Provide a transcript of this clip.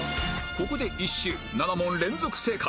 ここで１周７問連続正解